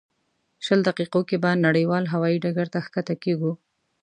شلو دقیقو کې به نړیوال هوایي ډګر ته ښکته کېږو.